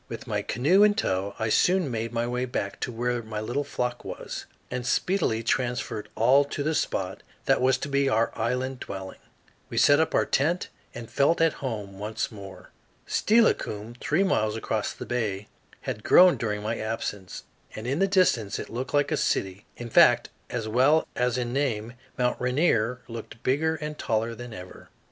With my canoe in tow I soon made my way back to where my little flock was, and speedily transferred all to the spot that was to be our island dwelling. We set up our tent, and felt at home once more. [Illustration: Crows breaking clams by dropping them on boulders.] Steilacoom, three miles across the bay, had grown during my absence, and in the distance it looked like a city in fact as well as in name. Mt. Rainier looked bigger and taller than ever.